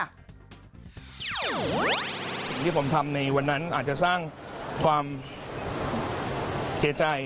สิ่งที่ผมทำในวันนั้นอาจจะสร้างความเสียใจ